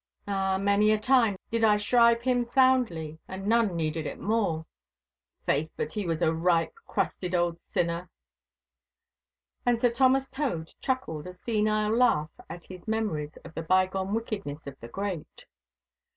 Ah, many a time did I shrive him soundly, and none needed it more. Faith, but he was a ripe, crusted old sinner—' And Sir Thomas Tode chuckled a senile laugh at his memories of the bygone wickednesses of the great.